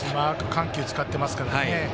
緩急使ってますからね。